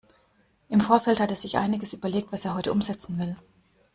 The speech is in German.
Im Vorfeld hat er sich einiges überlegt, was er heute umsetzen will.